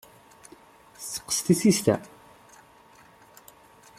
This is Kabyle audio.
Tetteqqes tissist-a?